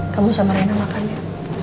kamu sama rena makan ya